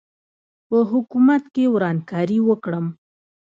په حکومت کې ورانکاري وکړم.